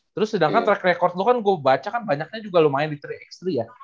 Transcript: terus sedangkan track record lo kan gue baca kan banyaknya juga lumayan di tiga x tiga ya